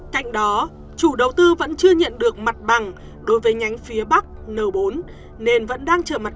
cạnh đó chủ đầu tư vẫn chưa nhận được mặt bằng đối với nhánh phía bắc n bốn nên vẫn đang trợ mặt